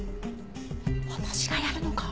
私がやるのか。